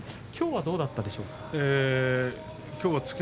きょうはどうだったでしょうか。